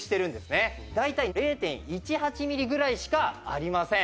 大体０．１８ミリぐらいしかありません。